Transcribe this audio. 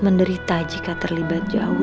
menderita jika terlibat jauh